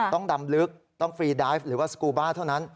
ต้องดำลึกต้องฟรีไดฟหรือว่าสกูบ้าเท่านั้น